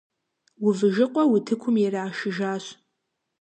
Увыжыкъуэ утыкум ирашыжащ.